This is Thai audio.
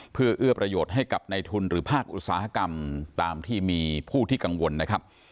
เพื่อเอื้อประโยชน์ให้กับในทุนหรือภาคอุตสาหกรรมตามที่มีผู้ที่กังวลนะครับ